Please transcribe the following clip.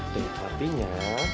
dan itu artinya